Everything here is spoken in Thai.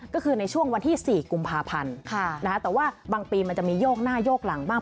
ก็คือในช่วงวันที่๔กุมภาพันธ์แต่ว่าบางปีมันจะมีโยกหน้าโยกหลังบ้าง